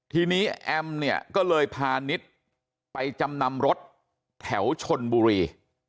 ทีนี้แอมเนี่ยก็เลยพานิดไปจำนำรถแถวชนบุรี